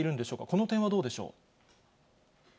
この点はどうでしょう。